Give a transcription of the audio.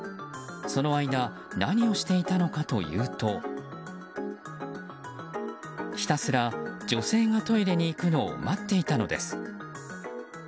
その間何をしていたのかというとひたすら女性がトイレに行くのを待っていたのです。